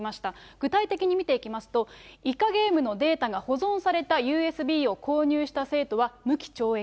具体的に見ていきますと、イカゲームのデータが保存されたＵＳＢを購入した生徒は無期懲役。